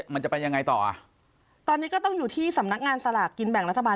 มันจะไปยังไงต่ออ่ะตอนนี้ก็ต้องอยู่ที่สำนักงานสลากกินแบ่งรัฐบาล